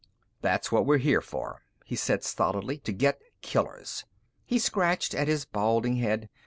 "That's what we're here for," he said stolidly. "To get killers." He scratched at his balding head.